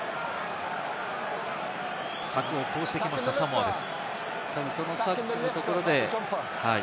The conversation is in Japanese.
策を講じてきましたサモアです。